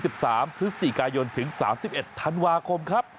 ๒๓พฤษฎีกายนถึง๓๑ธันวาคมครับ